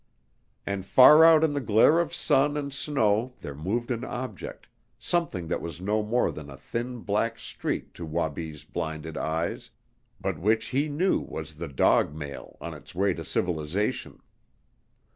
And far out in the glare of sun and snow there moved an object, something that was no more than a thin black streak to Wabi's blinded eyes but which he knew was the dog mail on its way to civilization.